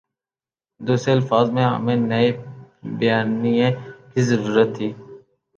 دوسرے الفاظ میں ہمیں ایک نئے بیانیے کی ضرورت تھی۔